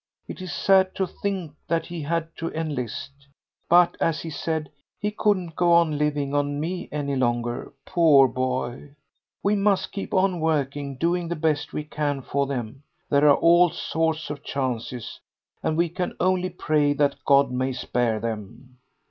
It is sad to think that he had to enlist. But, as he said, he couldn't go on living on me any longer. Poor boy! ...We must keep on working, doing the best we can for them. There are all sorts of chances, and we can only pray that God may spare them."